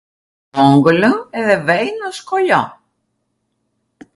...ongwlw edhe vej nw skoljo.